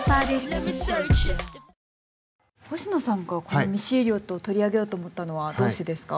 星野さんがこのミッシー・エリオットを取り上げようと思ったのはどうしてですか？